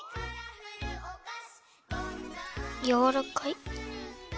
やわらかい。